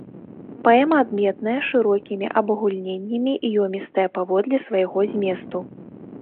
Паэма адметная шырокімі абагульненнямі, ёмістая паводле свайго зместу.